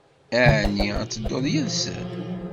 Ɛni ad tedduḍ yid-sen?